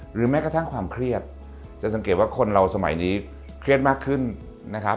แม้กระทั่งความเครียดจะสังเกตว่าคนเราสมัยนี้เครียดมากขึ้นนะครับ